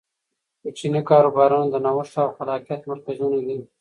کوچني کاروبارونه د نوښت او خلاقیت مرکزونه دي.